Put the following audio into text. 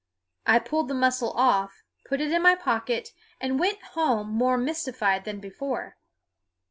I pulled the mussel off, put it in my pocket, and went home more mystified than before.